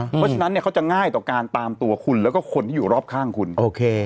เพราะฉะนั้นเนี่ยเขาจะง่ายต่อการตามตัวคุณแล้วก็คนที่อยู่รอบข้างคุณโอเค